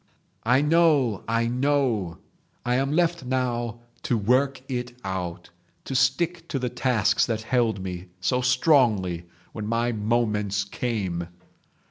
"I know. I know. I am left now to work it out, to stick to the tasks that held me so strongly when my moments came.